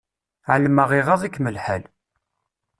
Ԑelmeɣ iɣaḍ-ikem lḥal.